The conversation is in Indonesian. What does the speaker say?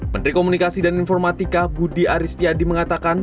menteri komunikasi dan informatika budi aristiadi mengatakan